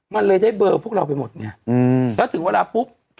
มันเลยได้เบอร์พวกเราไปหมดไงแล้วถึงเวลาปุ๊บ